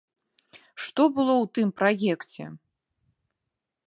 Што было ў тым праекце?